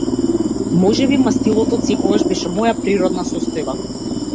Можеби мастилото отсекогаш беше моја природна состојба.